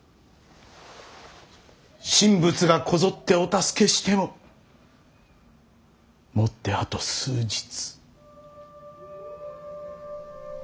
神仏がこぞってお助けしてももってあと数日。